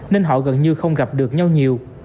nên họ gần như không gặp được nhau nhiều